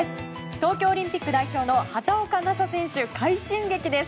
東京オリンピック代表の畑岡奈紗選手快進撃です。